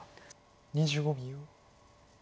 ２５秒。